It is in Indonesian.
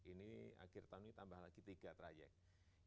ini akhir tahun ini tambah lagi tiga trayek